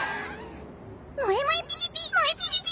もえもえピピピもえピピピ！